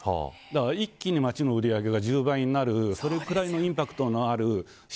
一気に町の売り上げが１０倍になるぐらいのインパクトがあります。